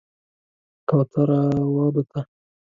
کوتره والوته